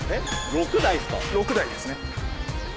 ６台ですね。